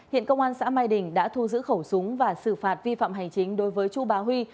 hiện công an xã mai đình đã thu giữ khẩu súng và xử phạt vi phạm hành chính đối với chu bá huy